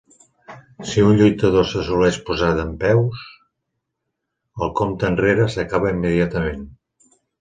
Si un lluitador s'assoleix posar dempeus, el compte enrere s'acaba immediatament.